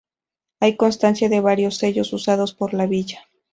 Hay constancia de varios sellos usados por la villa.